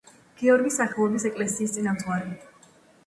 გიორგის სახელობის ეკლესიის წინამძღვარი.